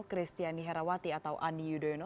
kristiani herawati atau ani yudhoyono